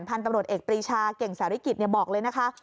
พันธุ์ประโหลดเอกปริชาเก่งแสรกิจบอกเลยนะคะ